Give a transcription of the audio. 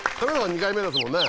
２回目ですもんね